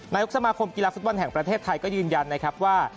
นายกสมาคมกีฬาฟุตบอลแห่งประเทศไทยก็ยืนยันนะครับว่า